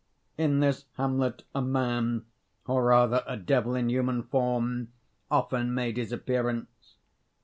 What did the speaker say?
In this hamlet a man, or rather a devil in human form, often made his appearance.